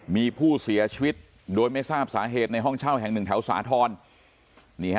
มีผู้เสียชีวิตโดยไม่ทราบสาเหตุในห้องเช่าแห่งหนึ่งแถวสาธรณ์